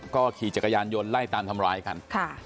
ก็ขี่จักรยานยนต์ไล่ตามทำร้ายกัน